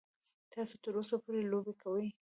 تاسو تر اوسه پورې لوبې کوئ.